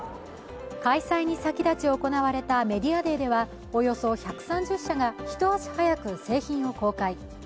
開催に先立ち行われたメディアデーでは、およそ１３０社が一足早く製品を公開